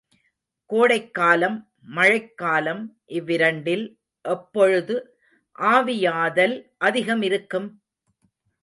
கோடைக்காலம், மழைக்காலம் இவ்விரண்டில் எப்பொழுது ஆவியாதல் அதிகமிருக்கும்?